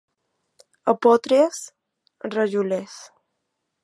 A Potries, rajolers.